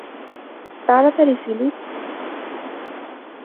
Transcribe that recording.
তাড়াতাড়ি, ফিলিপ।